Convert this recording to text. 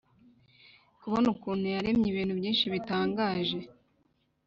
Kubona ukuntu yaremye ibintu byinshi bitangaje